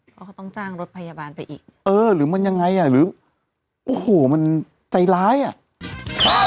เขาก็ต้องจ้างรถพยาบาลไปอีกเออหรือมันยังไงอ่ะหรือโอ้โหมันใจร้ายอ่ะ